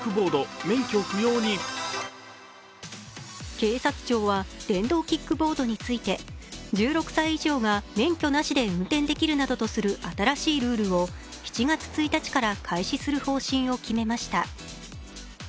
警察庁は電動キックボードについて、１６歳以上が免許なしで運転できるなどとする新しいルールを７月１日から開始する方針を決めました。